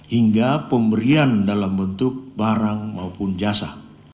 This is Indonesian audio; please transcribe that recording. hingga pemberian dalam bentuk barang maupun jasa